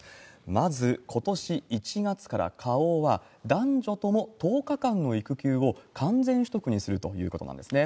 まず、ことし１月から花王は、男女とも１０日間の育休を完全取得にするということなんですね。